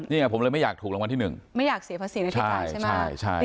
เนี่ยผมเลยไม่อยากถูกรางวัลที่หนึ่งไม่อยากเสียภาษีหน้าที่จ่ายใช่ไหมใช่ใช่